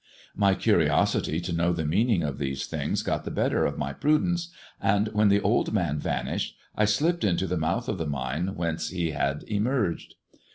My curiosity to know the meaning of these things got the better of my prudence; and when the old man vanished, I slipped into the mouth of the mine whence he had emerged.